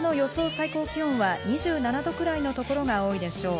最高気温は、２７度くらいのところが多いでしょう。